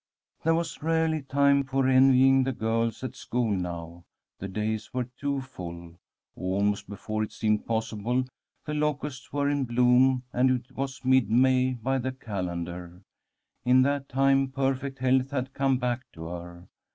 There was rarely time for envying the girls at school now. The days were too full. Almost before it seemed possible, the locusts were in bloom and it was mid May by the calendar. In that time perfect health had come back to her.